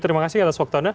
terima kasih atas waktu anda